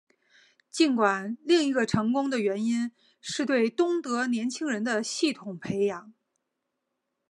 尽管另外一个成功的原因是对东德年轻人的系统培养。